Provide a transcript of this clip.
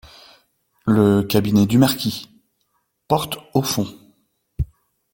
Le cabinet du marquis. — Porte au fond.